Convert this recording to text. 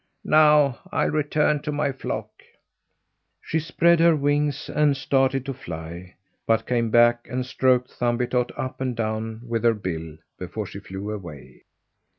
Now I'll return to my flock." She spread her wings and started to fly, but came back and stroked Thumbietot up and down with her bill before she flew away.